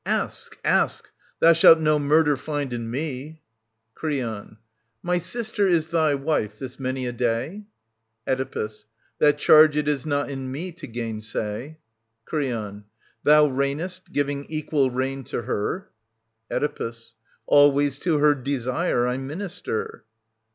Ask, ask ! Thou shalt no murder find in me. i^ ,v Creon. My sister is thy wife this many a day ? Oedipus. That charge it is not^in me to gainsay. Creon. Thou reignest, giving equal reign to her ? Oedipus. Always to her desire I minister.